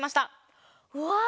うわ！